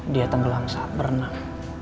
dia tanggal langsa berenang